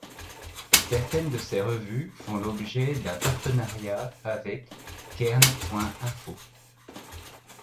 Certaines de ces revues font l'objet d'un partenariat avec Cairn.info.